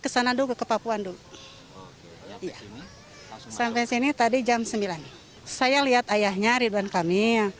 sampai sini tadi jam sembilan saya lihat ayahnya ridwan kamil